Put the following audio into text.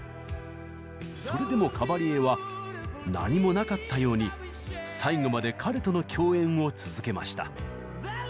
それでもカバリエは何もなかったように最後まで彼との共演を続けました。